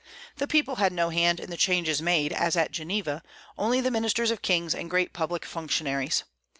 The people had no hand in the changes made, as at Geneva, only the ministers of kings and great public functionaries.